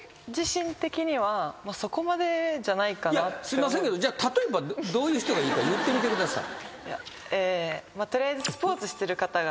すいませんけどじゃあ例えばどういう人がいいか言ってみてください。